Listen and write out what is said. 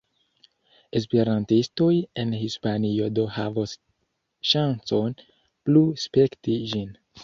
Esperantistoj en Hispanio do havos ŝancon plu spekti ĝin.